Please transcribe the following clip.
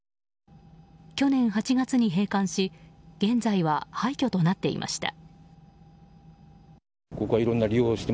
去年８月に閉館し現在は廃虚となっていました。